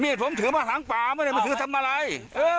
มีดผมถือมาหลังป่าไม่ได้มาถือทะมัลไหล่